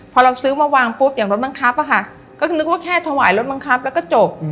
พอเราซื้อมาวางปุ๊บอย่างรถบังคับอะค่ะก็นึกว่าแค่ถวายรถบังคับแล้วก็จบ